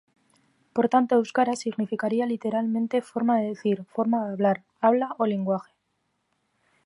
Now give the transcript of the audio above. Por tanto, "euskara" significaría literalmente "forma de decir", "forma de hablar", "habla" o "lenguaje".